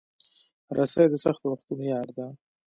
رسۍ د سختو وختونو یار ده.